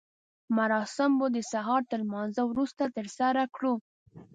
مراسم به د سهار تر لمانځه وروسته ترسره کړو.